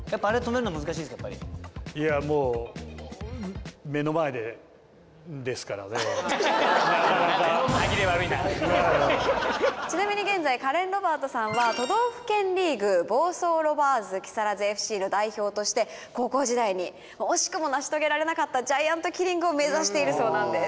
いやもうちなみに現在カレンロバートさんは都道府県リーグ房総ローヴァーズ木更津ＦＣの代表として高校時代に惜しくも成し遂げられなかったジャイアントキリングを目指しているそうなんです。